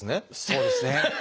そうですね。